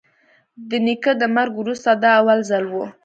د نيکه تر مرگ وروسته دا اول ځل و.